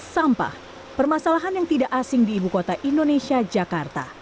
sampah permasalahan yang tidak asing di ibu kota indonesia jakarta